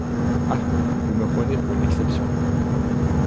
Ah ! vous me prenez pour une exception !